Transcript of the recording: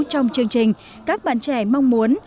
trong chương trình các bạn trẻ mong muốn